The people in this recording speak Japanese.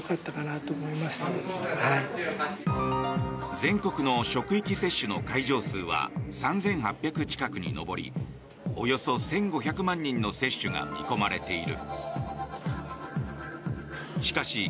全国の職域接種の会場数は３８００近くに上りおよそ１５００万人の接種が見込まれている。